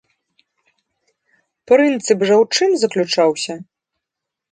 Прынцып жа ў чым заключаўся?